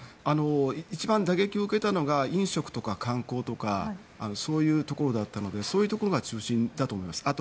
一番、打撃を受けたのが飲食とか観光とかそういうところだったのでそういうところが中心だと思います。